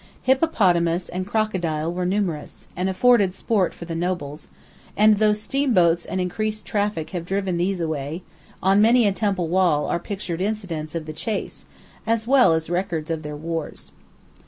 Hippopotamus and crocodile were numerous, and afforded sport for the nobles, and though steamboats and increased traffic have driven these away, on many a temple wall are pictured incidents of the chase, as well as records of their wars.